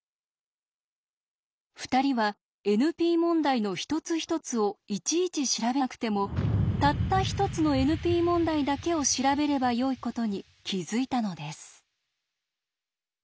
２人はＮＰ問題の一つ一つをいちいち調べなくてもたった１つのＮＰ問題だけを調べればよいことに気付いたのです。